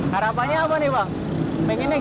harapannya apa nih pak pengennya gimana sih